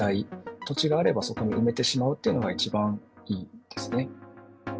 土地があればそこに埋めてしまうっていうのが一番いいですね。